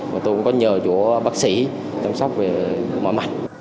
và tôi cũng có nhờ chỗ bác sĩ chăm sóc về mọi mặt